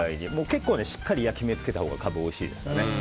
結構、しっかり焼き目をつけたほうがカブはおいしいです。